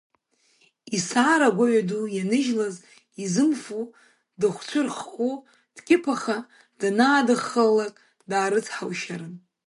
Исаара гәаҩа ду ианижьлоз изымфо, дыхәцәырххо, дқьыԥаха данаадхалалак даарыцҳаушьарын.